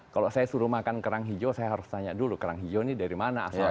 kalau saya suruh makan kerang hijau saya harus tanya dulu kerang hijau ini dari mana asalnya